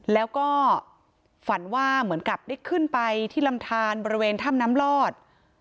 แล้วก็ฝันว่าเหมือนกับได้ขึ้นไปที่ลำทานบริเวณถ้ำน้ำลอด